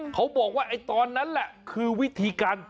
เขาบอกว่าตอนนั้นแหละคือวิธีการ